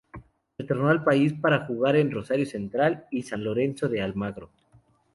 Retornó al país para jugar en Rosario Central y San Lorenzo de Almagro.